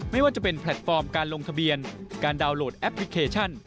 ไม่ว่าจะเป็นแพลตฟอร์มการลงทะเบียนการดาวน์โหลดแอปพลิเคชัน